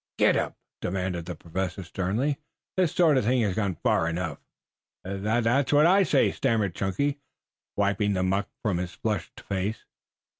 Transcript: "Get up!" commanded the Professor sternly. "This sort of thing has gone far enough." "Tha that's what I say," stammered Chunky, wiping the muck from his flushed face.